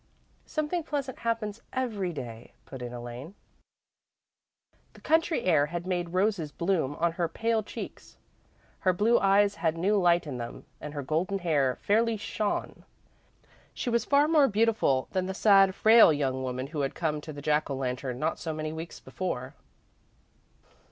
"Something pleasant happens every day," put in Elaine. The country air had made roses bloom on her pale cheeks. Her blue eyes had new light in them, and her golden hair fairly shone. She was far more beautiful than the sad, frail young woman who had come to the Jack o' Lantern not so many weeks before.